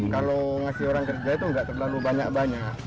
kalau ngasih orang kerja itu nggak terlalu banyak banyak